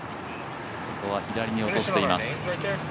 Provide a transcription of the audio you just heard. ここは左に落としています。